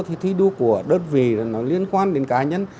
thì thi đua của đất vì nó liên quan đến cá nhân